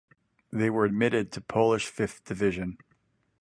They were admitted to Polish Fifth Division.